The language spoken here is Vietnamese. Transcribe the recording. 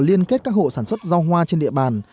liên kết các hộ sản xuất rau hoa trên địa bàn